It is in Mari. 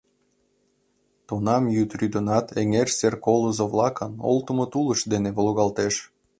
Тунам йӱд рӱдынат эҥер сер колызо-влакын олтымо тулышт дене волгалтеш.